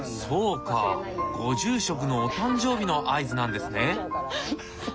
そうかご住職のお誕生日の合図なんですね。